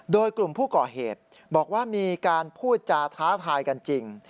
โดยกลุ่มผู้ก่อเหตุบอกว่ามีการพูดจาท้าทายกันจริง